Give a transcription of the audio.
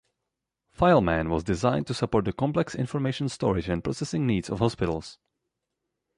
FileMan was designed to support the complex information storage and processing needs of hospitals.